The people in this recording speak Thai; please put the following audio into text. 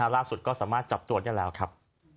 ล่าสุดก็สามารถจับตัวได้แล้วครับ